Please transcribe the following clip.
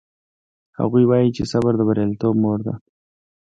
هغوی وایي چې صبر د بریالیتوب مور ده